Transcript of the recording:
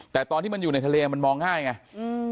แต่ตอนที่มันอยู่ในทะเลมันมองง่ายไงอืม